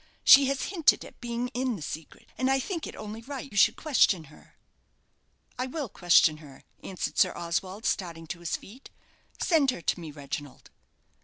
She has hinted at being in the secret, and I think it only right you should question her." "I will question her," answered sir Oswald, starting to his feet. "Send her to me, Reginald." Mr.